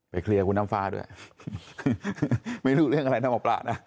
เคลียร์คุณน้ำฟ้าด้วยไม่รู้เรื่องอะไรนะหมอปลานะ